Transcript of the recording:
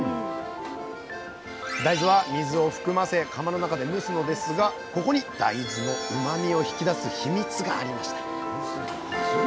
大豆は水を含ませ釜の中で蒸すのですがここに大豆のうまみを引き出すヒミツがありました。